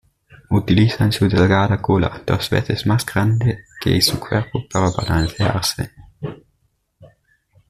Utilizan su delgada cola, dos veces más grande que su cuerpo para balancearse.